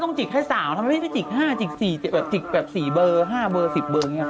ต้องจิกให้สาวทำไมไม่จิก๕จิก๔จิกแบบ๔เบอร์๕เบอร์๑๐เบอร์